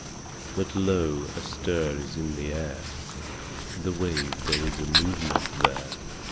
But lo, a stir is in the air! The wave there is a movement there!